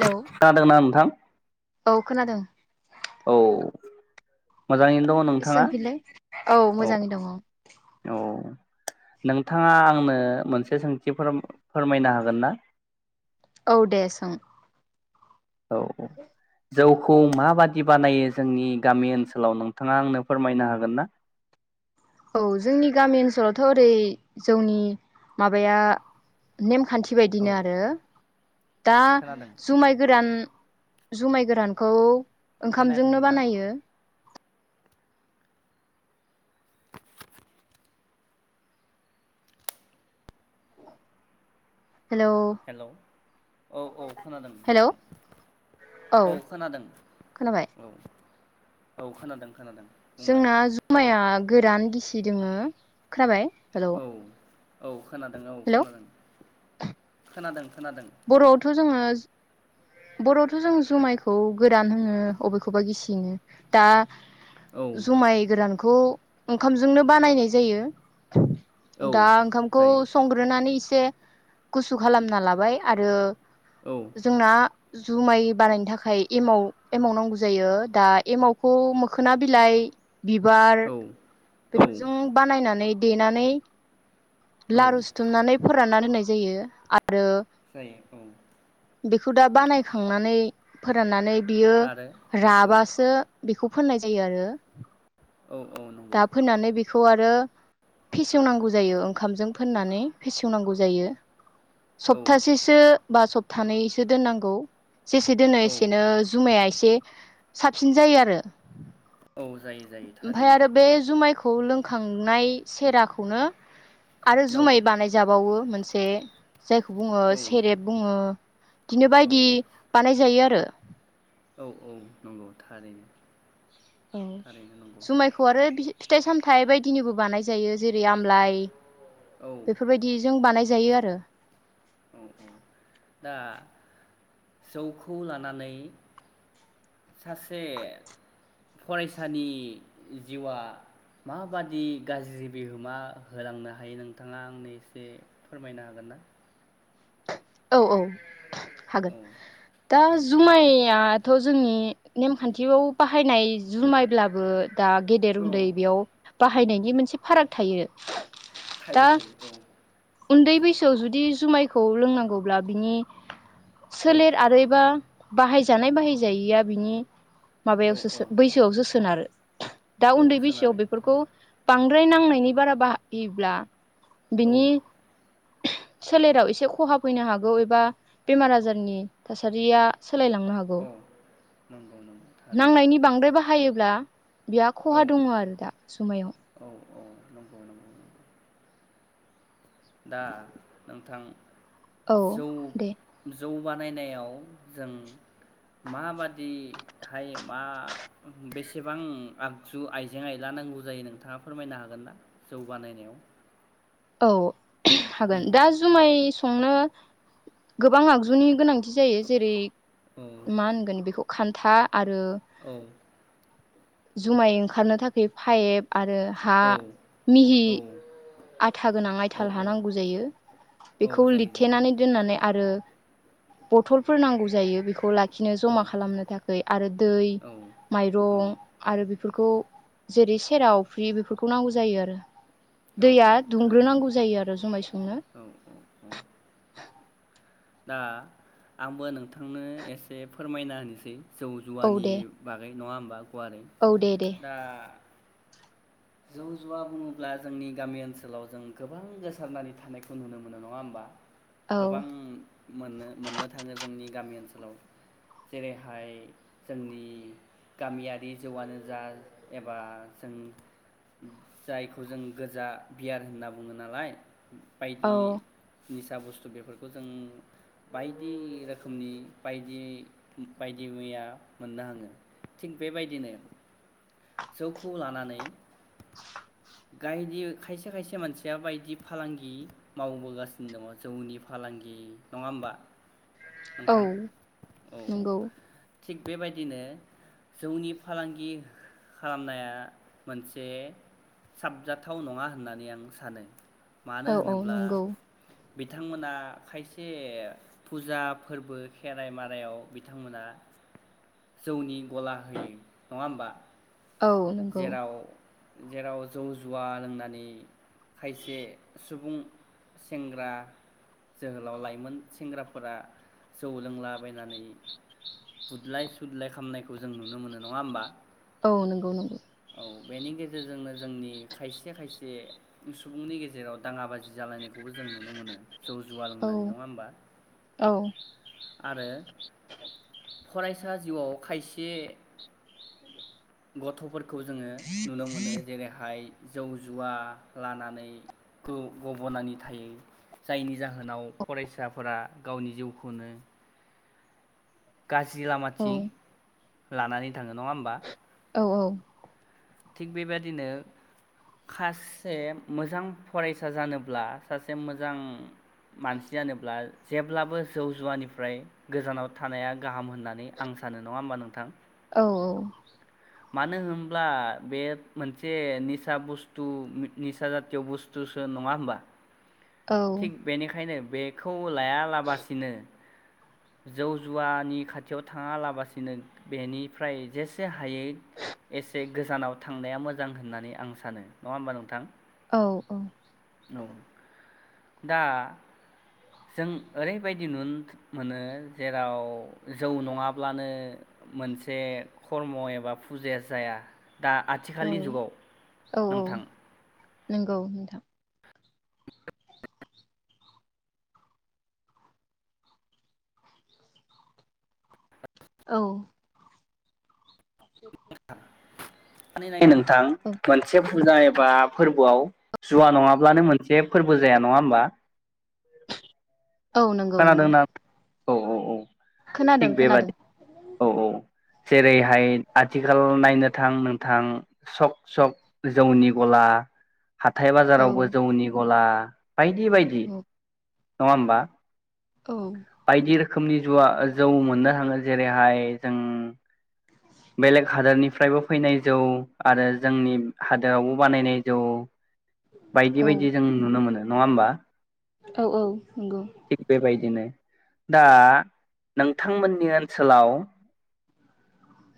hello खोनादोंना नोंथां औ खोनादों औ मोजाङैनो दङ नोंथाङा सोंफिनलाय औ मोजाङै दङ औ नोंथाङा आंनो मोनसे सोंथि फोर फोरमायनो हागोन ना औ दे सों औ औ जौखौ माबादि बानायो जोंनि गामि ओनसोलाव नोंथाङा आंनो फोरमायनो हागोन ना औ जोंनि गामि ओनसोलावथ' ओरै जौनि माबाया नेम खानथि औ बायदिनो आरो दा खोनादों जुमाय गोरान जुमाय गोरानखौ खोनायाखै ओंखामजोंनो नोंथां बानायो हेलौ हेल' औ औ खोनादों हेलौ नोंथां औ खोनादों खोनाबाय औ औ खोनादों खोनादों बुंलाय जोंना जुमाया गोरान गिसि दङो खोनाबाय हेलौ औ औ खोनादों औ हेलौ खोनादों खोनादों खोनादों जोंङो बर'आवथ' जों जुमायखौ गोरान होनो अबेखौबा गिसि होनो दा औ जुमाय गोरान बेखौ ओंखामजोंनो बानायनाय जायो औ दा ओंखामखौ जायो संग्रोनानै इसे एसे गुसु खालामना लाबाय आरो औ जोंना जुमाय बानायनो थाखाय एमाव एमाव नांगौ जायो दा एमावखौ मोखोना बिलाइ बिबार औ बेफोरजों बानायनानै देनानै औ लारु सिथुमनानै फोर फोरानना दोननाय जायो आरो जायो औ बेखौ दा बानाय नै फोराननानै बियो आरो औ राबासो बेखौ फोननाय जायो आरो औ औ नंगौ दा फोननानै बेखौ आरो फेसेवनांगौ जायो ओंखामजों फोननानै फेसेवनांगौ जायो औ सप्तासेसो बा सबथानैसो दोननांगौ जेसे दोनो औ एसेनो जुमाया एसे एसे साबसिन जायो आरो औ जायो जायो ओमफ्राय थारैनो आरो बे जुमायखौ लोंखांनाय सेराखौनो आरो जुमाय बानायजाबावो मोनसे से जायखौ बुङो औ सेरेब बुङो बिदिनो औ बायदि बानाय जायो आरो औ औ नंगौ थारैनो औ थारैनो नंगौ जुमायखौ आरो फिथाइ सामथाइ बायदिनिबो बानाय जायो जेरै रै आमलाय औ बेफोरबायदि जों बानाय जायो आरो औ दा जौखौ लानानै सासे फरायसानि जिउआ माबादि गाज्रि बिहोमा होलांनो हायो नोंथाङा आंनो एसे फोरमायनो हागोन ना औ औ हागोन औ दा औ जुमाया दाथ जोंनि नेमखान्थियाव बाहायनाय जुमायब्लाबो दा गेदेर औ उन्दै बेयाव बाहायनायनि मोनसे फाराग थायो दा थायो थायो औ उन्दै बैसोआव जुदि जुमायखौ लोंनांगौ अब्ला बिनि औ सोलेर औ आरै बा बाहायजानाय बाहायजायिया बिनि औ औ माबायावसो बैसोआवसो सोनारो आरो दा औ उन्दै बैसोआव सोनारो बेफोरखौ थारैनो बां द्राय नांनायनि बारा बाहायोब्ला औ बिनि सोलेराव एसे खहाब फैनो हागौ एबा बेमार आजारनि थासारिया सोलायलांनो हागौ औ नंगौ नंगौ थारैनो नांनायनि बांद्राय बाहायोब्ला बिहा खहा औ दङ आरो दा समायाव औ औ नंगौ नंगौ नंगौ दा नोंथां औ जौ दे जौ बानायनायाव जों माबादिहाय मा बेसेबां आगजु आइजें आइला नांगौ जायो नोंथाङा फोरमायनो हागोनना जौ बानायनायाव औ हागोन उम दा जुमाय संनो गोबां आगजुनि गोनां थि जायो जेरै औ मा होनगोन बेखौ खान्था आरो औ जुमाय ओंखारनो थाखाय पाइप आरो हा औ मिहि औ आथा गोनां औ आयथाल हा औ नांगौ जायो औ बेखौ जायो जायो लिरथेनानै दोननानै आरो बथलफोर नांगौ जायो बे खौ लाखिनो औ जमा खालामनो थाखाय आरो दै औ औ माइरं आरो‌ बेफोरखौ जेरै खेरा अफ्रि बेफोरखौ नांगौ जायो आरो औ दैया औ थारैनो दुंग्रोनांगौ जायो आरो जमाय संनो औ औ औ दा आंबो नोंथांनो एसे फोरमायना होनोसै जौ औ जुवानि दे बागै नङा होनबा गुवारै औ दे दे दा जौ जुवा बुङोब्ला जोंनि गामि ओनसोलाव जों गोबां गोसारनानै थानायखौ नुनो मोनो नङा होमबा औ गोबां मोननो मोननो थाङो जोंनि गामि ओनसोलाव जेरैहाय जोंनि गामियारि जौआनो जा एबा जों जायखौ जों गोजा बियार होनना बुङो नालाय बायदि औ निसा बुस्थु बेफोरखौ जों बायदि रोखोमनि बायदि बायदि मैया मोननो हाङो थिग बेबायदिनो जौखौ लानानै गायदि खायसे खायसे मानसिया बायदि फालांगि मावबोगासिनो दङ जौनि फालांगि नङा होमबा औ नोंथां औ औ नंगौ थिग बेबायदिनो जौनि फालांगि खालामनाया मोनसे साबजाथाव नङा होननानै आं सानो मानो औ औ होनोब्ला नंगौ बिथांमोना खायसे फुजा फोरबो खेराइ मारायाव बिथांमोना जौनि गला होयो नङा होमबा औ नंगौ जेराव जेराव जौ जुवा लोंनानै खायसे सुबुं सेंग्रा जोहोलाव लाइमोन सेंग्राफोरा जौ लोंलाबायनानै बुदलाय सुदलाय खामनायखौ जों नुनो मोनो नङा होमबा औ नंगौ नंगौ औ बेनि गेजे रजोंनो जोंनि खायसे खायसे सुबुंनि गेजेराव दाङा बाजि जालायनायखौबो जों नुनो मोनो जौ जुवा औ लोंनानै नङा होनबा औ आरो फरायसा जिउआव खायसे गथ'फोर खौ जोङो नुनो मोनो जेरैहाय जौ जुवा लानानै गब'नानै थायो जायनि जाहोनाव फरायसाफोरा गावनि जिउखौनो गाज्रि औ लामाथिं लानानै थाङो नङा होमबा औ थिग बेबायदिनो खासे मोजां फरायसा जानोब्ला सासे मोजां मानसि जानोब्ला जेब्लाबो जौ जुवानिफ्राय गोजानाव थानाया गाहाम होननानै आं सानो नङा होमबा नोंथां औ औ मानो होनब्ला बे मोनसे निसा बुस्थु निसा जातिय बुस्थुसो नङा होमबा औ थिग बेनिखायनो बेखौ लायालाबासिनो जौ जुवानि खाथियाव थाङालाबासिनो बेनिफ्राय जेसे हायै एसे गोजानाव थांनाया मोजां होननानै आं सानो नङा होमबा नोंथां औ औ औ दा जों ओरैबायदि नुन मोनो जेराव जौ नङाब्लानो मोनसे खर्म एबा फुजाया जाया दा औ आथिखालनि जुगाव नोंथां नोंगौ नोंथां [inaudible] औ [inaudible] [inaudible] थां औ मोनसे फुजा एबा फोरबोआव जुवा नङाब्लानो मोनसे फोरबो जाया नङा होमबा औ नंगौ नंगौ खोनादोंना औ औ औ खोनादों थिग खोनादों बेबादि औ औ जेरैहाय आथिखाल नायनो थां नोंथां सक सक जौनि गला हाथाय औ बाजारावबो जौनि गला [inaudible] बायदि बायदि औ नङा होमबा औ बायदि रोखोमनि जुवा जौ मोननो हाङो जेरैहाय जों बेलेग हादोरनिफ्रायबो फैनाय जौ आरो जोंनि हादोरावबो बानायनाय जौ बायदि औ बायदि जों नुनो मोनो नङा होमबा औ औ नोंगौ दिनो दा नोंथांमोननि ओनसोलाव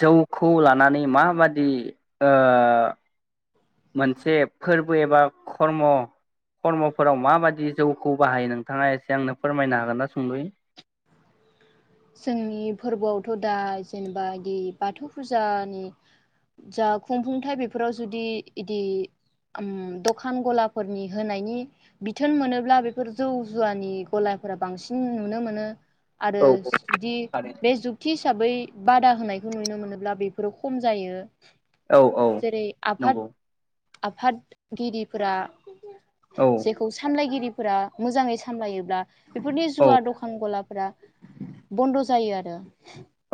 जौखौ लानानै माबादि ओ मोनसे फोरबो एबा खर्म खर्मफोराव माबादि जौखौ बाहायो नोंथाङा एसे आंनो फोरमायनो हागोन ना सुंदयै जोंनि फोरबोआवथ' दा जेनेबा बिदि बाथौ फुजानि जा खुंफुंथाय बेफोराव जुदि इदि ओम दखान गलाफोरनि होनायनि बिथोन मोनोब्ला बेफोर जौ जुवानि गलाफोरा बांसिन नुनो मोनो आरो औ औ जुदि थारैनो बे जुगथि हिसाबै बादा होनायखौ नुनो मोनोब्ला बेफोरो खम जायो औ औ जेरै नंगौ आफाद आफादगिरिफोरा औ जेखौ सामलायगिरि फोरा मोजाङै सामलायोब्ला बेफोरनि औ जुवा दखान गलाब फ्रा बन्द' जायो आरो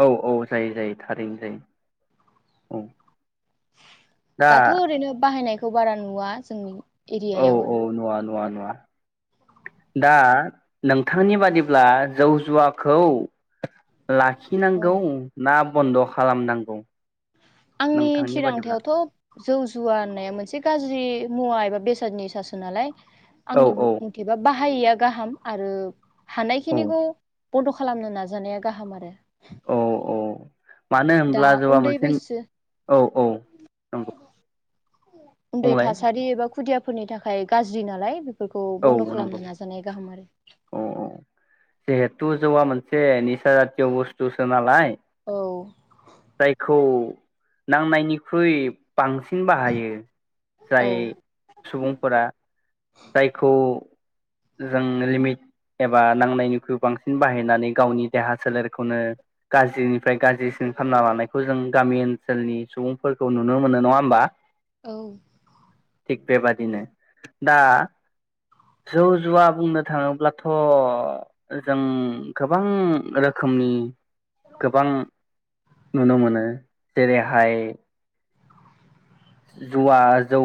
औ औ जायो जायो थारैनो जायो औ दा दाथ' ओरैनो बाहायनाय खौ बारा नुवा जोंनि एरियायाव आरो नुवा दा नोंथांनि बादिब्ला जौ जुवाखौ आरो औ लाखिनांगौ ना बन्द' खालामनांगौ आंनि नोंथांनि बादिब्ला थिरांथायावथ' जौ जुवा होननाया मोनसे गाज्रि मुवा बेसाद निसासोनालाय औ आंनि औ मथेबा बाह बाहायैया गाहाम आरो औ हानायखिनिखौ बन्द' खालामनो नाजानाया गाहाम आरो औ औ मानो दा होनब्ला जौवा उन्दै मोनसे बैसो औ औ नंगौ उन्दै बुंलाय थासारि एबा खुदिया फोरनि थाखाय गाज्रि नालाय बे फोरखौ बन्द' खालामनो नाजानाया गाहाम आरो अ जिहेथु जौवा मोनसे निसा जातिय बुस्थुसो नालाय औ जायखौ नांनायनिख्रुइ बांसिन बाहायो जाय औ सुबुंफोरा जायखौ जों लिमिट एबा नांनायनिख्रुइ बांसिन बाहायनानै गावनि देहा सोलेरखौनो गाज्रिनिफ्राय गाज्रिसिन खालामना लानायखौ जों गामि ओनसोलनि सुबुंफोरखौ नुनो मोनो नङा होमबा औ थिग बेबादिनो दा जौ जुवा बुंनो थाङो ब्लाथ' जों गोबां रोखोमनि गोबां नुनो मोनो जेरैहाय जुवा जौ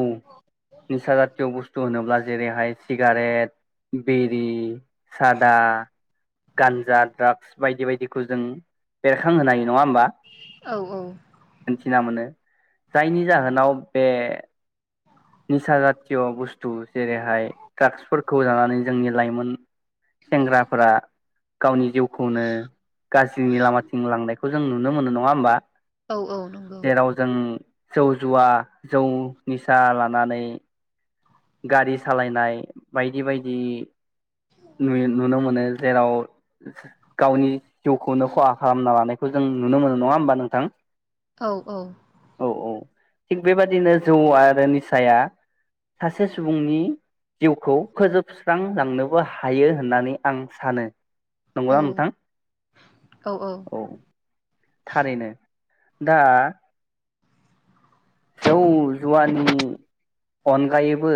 निसा जातिय' बुस्थु होनोब्ला जेरैहाय सिगारेट बिरि सादा गानजा द्राक्स बायदि बायदिखौ जों बेरखां होनो हायो नङा होमबा औ सिना मोनो जायनि जाहोनाव बेे निसा जाथिय' बस्थु जेरैहाय ड्रागसफोरखौ जानानै जोंनि लाइमोन सेंग्राफोरा गावनि जिउखौनो गाज्रिनि लामाथिं लांनाय खौ जों नुनो मोनो नङा होमबा औ औ नंगौ जेराव जों जौ जुवा जौ निसा ला नानै गारि सालायनाय बायदि बायदि नु-नुनो मोनो जेराव गावनि जिउखौनो खहा खालामना लानायखौ जों नुनो मोनो नङा होमबा नोंथां औ औ औ औ थिग बेबादिनो जौ आरो निसाया सासे सुबुंनि जिउखौ फोजोबस्रांलांनोबो हायो होननानै आं सानो नंगौना नोंथां औ थारैनो दा जौ जुवानि अनगायैबो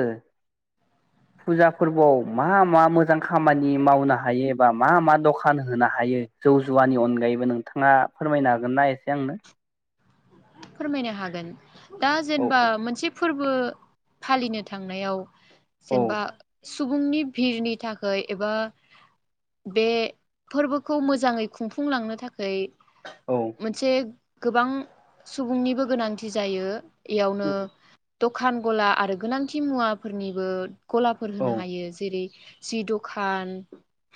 फुजा फोरबोआव मा मा मोजां खामानि मावनो हायोबा मा मा दखान फानहोनो हायो जौ जुवानि अनगायैबो नों नोंथाङा फोरमायनो हागोन ना एसे आंनो फोरमायनो हागोन दा औ जेनेबा मोनसे फोरबो फालिनो थांनायाव औ जेनेबा सुबुंनि भिरनि थाखाय एबा बे फोरबोखौ मोजाङै खुंफुंलांनो थाखाय औ मोनसे गोबां सुबुंनिबो गोनांथि जायो इयावनो औ दखान गला आरो गोनांथि मुवाफोरनिबो गलाफोर औ होनो हायो जेरै जि दखान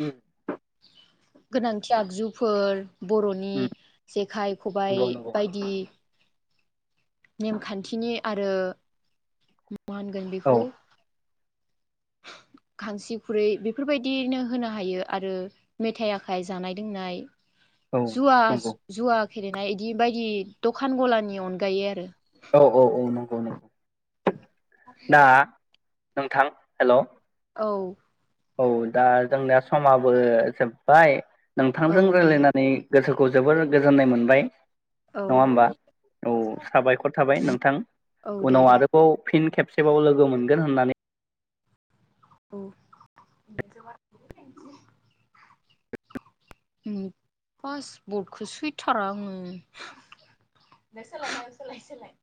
हम गोनांथि आगजुफोर बर'नि जेखाइ खबाइ नंगौ नंगौ बायदि नेमखान्थिनि आरो मा होनगोन औ बेखौ खांसि खुरै बेफोरबायदिनो होनो हायो आरो मेथाइ आखाइ जानाय लोंनाय औ जुवा नंगौ जुवा फेरेनाय इदि बायदि दखान गलानि अनगायै आरो ना नोंथां हेल' औ औ दा जोंनिया समाबो जोब्बाय नोंथांजों औ दे रायज्लायनानै गोसोखौ जोबोर गोजोननाय मोनबाय औ नङा होमबा औ साबायखर थाबाय नोंथां औ दे उनाव दे आरोबाव फिन खेब सेबाव लोगो मोनगोन होननानै औ उम फासबटखौ सैथारा आङो दे सोलाय ना हो सोलाय सोलाय